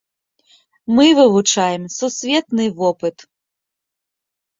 Мы вывучаем сусветны вопыт.